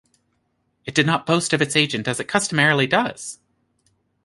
It did not boast of its agent as it customarily does.